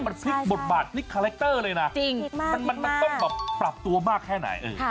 มันพลิกบทบาทพลิกคาแรคเตอร์เลยนะมันต้องแบบปรับตัวมากแค่ไหน